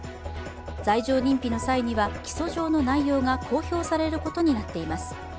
罪状認否の際には起訴状の内容が公表されることになっています。